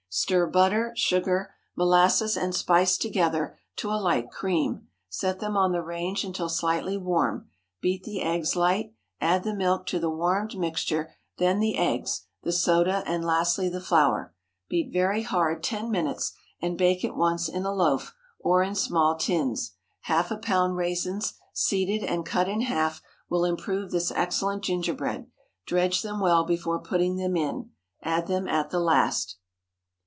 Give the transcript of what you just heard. Stir butter, sugar, molasses, and spice together to a light cream, set them on the range until slightly warm; beat the eggs light; add the milk to the warmed mixture, then the eggs, the soda, and lastly the flour. Beat very hard ten minutes, and bake at once in a loaf, or in small tins. Half a pound raisins, seeded and cut in half, will improve this excellent gingerbread. Dredge them well before putting them in. Add them at the last.